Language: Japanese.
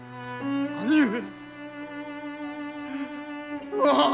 兄上！